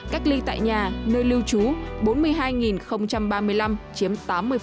cách ly tại nhà nơi lưu trú bốn mươi hai ba mươi năm chiếm tám mươi